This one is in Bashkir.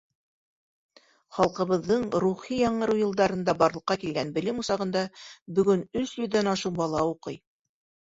Халҡыбыҙҙың рухи яңырыу йылдарында барлыҡҡа килгән белем усағында бөгөн өс йөҙҙән ашыу бала уҡый.